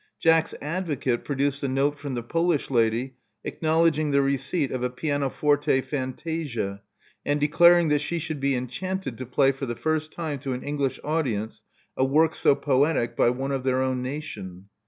Jack's advocate produced a note from the Polish lady acknowledging the receipt of a pianoforte fantasia, and declaring that she should be enchanted to play for the first time to an English audience a work so poetic by one of their own nation.